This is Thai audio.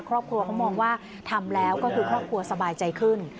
ครอบครัวเขามองว่าทำแล้วก็คือครอบครัวสบายใจขึ้น